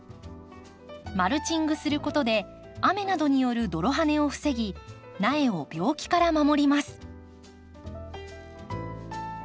マルチングすることで雨などによる泥はねを防ぎ苗を病気から守ります。